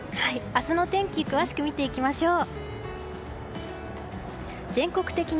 明日の天気詳しく見ていきましょう。